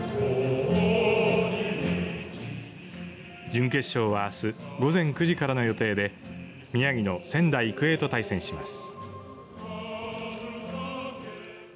準決勝はあす午前９時からの予定で宮城の仙台育英と対戦します。